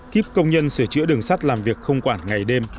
kíp công nhân sửa chữa đường sắt làm việc không quản ngày đêm